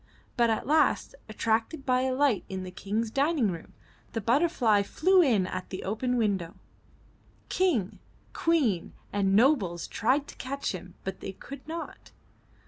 But at last, attracted by a light in the King's dining room, the butterfly flew in at the open window. King, Queen and nobles tried to catch him, but they could not.